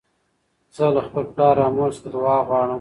زه له خپل پلار او مور څخه دؤعا غواړم.